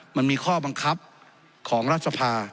มันมีข้อบังคับของรัฐสภา